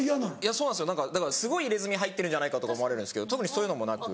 そうなんですよだからすごい入れ墨入ってるんじゃないかとか思われるんですけど特にそういうのもなく。